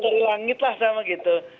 dari langit lah sama gitu